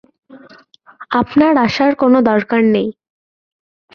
আপনার আসার কোনো দরকার নেই।